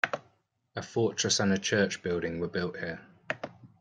A fortress and a church building were built there.